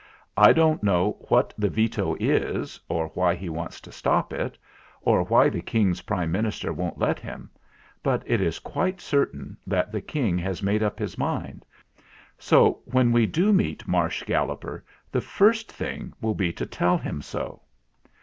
"I don't know what the Veto is, or why he wants to stop it, or why the King's Prime Minister won't let him ; but it is 202 THE GALLOPER 203 quite certain that the King has made up his mind ; so when we do meet Marsh Galloper, the first thing will be to tell him so."